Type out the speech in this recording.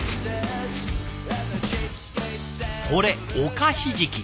これおかひじき。